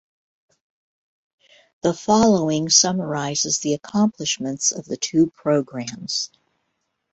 The following summarizes the accomplishments of the two programs.